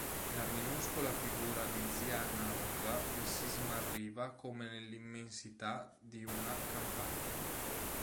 La minuscola figura di zia Anna-Rosa vi si smarriva come nell'immensità di una campagna.